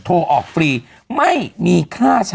โทรออกฟรีไม่มีค่าใช้จ่ายรุ่นรางวัลทองแสนกันได้ทุกมวดนะฮะ